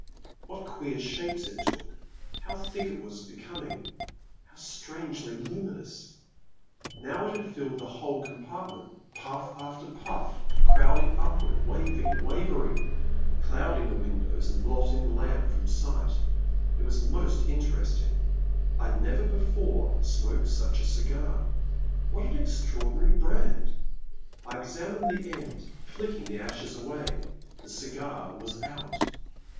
What queer shapes it took. How thick it was becoming — ^how strangely luminous ! Now it had filled the whole compartment, puff after puff crowding upward, waving, wavering, cloud ing the windows, and blotting the lamp from sight. It was most interesting. I had never before smoked such a cigar. What an extraordi nary brand ! I examined the end, flicking the ashes away. The cigar was out.